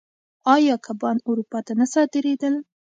آیا کبان اروپا ته نه صادرېدل؟